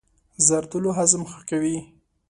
زردالو هضم ښه کوي.